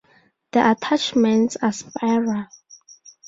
The attachments are spiral.